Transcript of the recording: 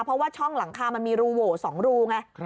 เพราะว่าช่องหลังคามันมีรูโหว๒รูไง